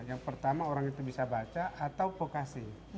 yang pertama orang itu bisa baca atau vokasi